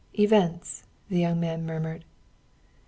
"Events!" the young man murmured.